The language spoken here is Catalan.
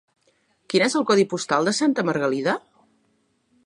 Quin és el codi postal de Santa Margalida?